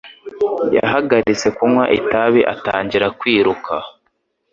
Yahagaritse kunywa itabi atangira kwiruka